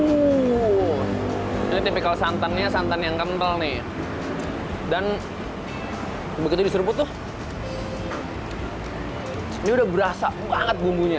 ini tipikal santannya santan yang kental nih dan begitu diserput tuh ini udah berasa banget bumbunya